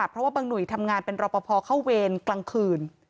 เพราะว่าบางหนุ่ยทำงานเป็นรอปภเข้าเวรกลางคืน